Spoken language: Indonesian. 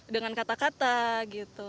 dengan kata kata gitu